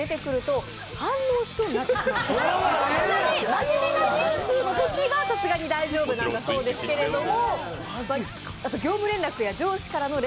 まじめなニュースのときはさすがに大丈夫なんだそうですけれども。